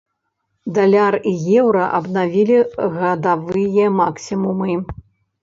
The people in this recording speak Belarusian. Даляр і еўра абнавілі гадавыя максімумы.